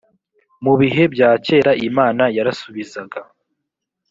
mu bihe bya kera imana yarasubizaga